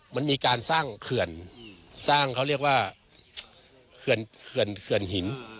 มันมีการสร้างเขื่อนสร้างเขาเรียกว่าเขื่อนหิน